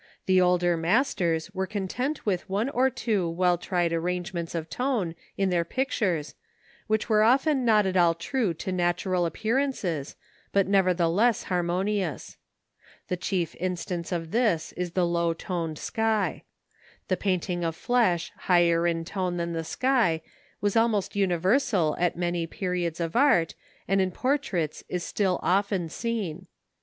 The older masters were content with one or two well tried arrangements of tone in their pictures, which were often not at all true to natural appearances but nevertheless harmonious. The chief instance of this is the low toned sky. The painting of flesh higher in tone than the sky was almost universal at many periods of art, and in portraits is still often seen.